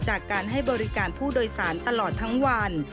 จากการให้บริการผู้โดยสารตลอดทั้งวัน